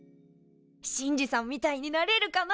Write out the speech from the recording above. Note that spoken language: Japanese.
シンジさんみたいになれるかな？